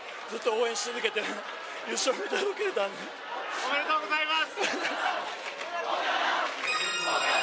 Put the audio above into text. おめでとうございます！